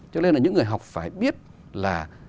cho nên là những người học phải biết là